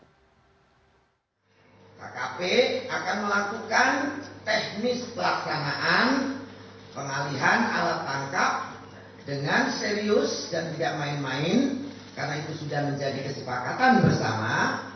kkp akan melakukan teknis pelaksanaan pengalihan alat tangkap dengan serius dan tidak main main karena itu sudah menjadi kesepakatan bersama